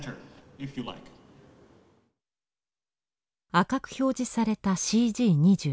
赤く表示されたＣｇ２５。